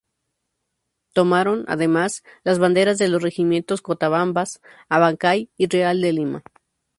Tomaron, además, las banderas de los regimientos Cotabambas, Abancay y Real de Lima.